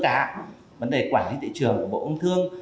cả vấn đề quản lý thị trường của bộ công thương